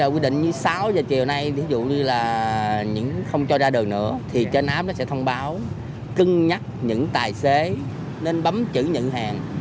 quy định như sáu giờ chiều nay ví dụ như là những không cho ra đường nữa thì trên áp nó sẽ thông báo cân nhắc những tài xế nên bấm chữ nhận hàng